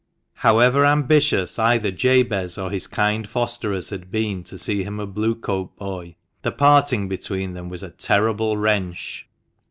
*W —* OWEVER ambitious either Jabez or his kind fosterers Ir ^» had been to see him a Blue coat boy, the parting J^^ £ between them was a terrible wrench.